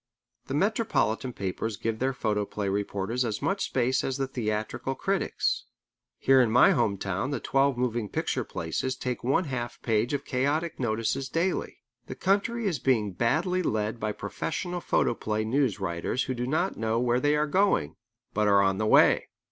The metropolitan papers give their photoplay reporters as much space as the theatrical critics. Here in my home town the twelve moving picture places take one half a page of chaotic notices daily. The country is being badly led by professional photoplay news writers who do not know where they are going, but are on the way.